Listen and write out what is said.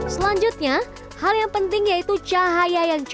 selanjutnya hal yang penting yaitu cahaya yang cukup